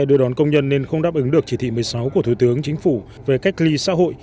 đưa đón công nhân nên không đáp ứng được chỉ thị một mươi sáu của thủ tướng chính phủ về cách ly xã hội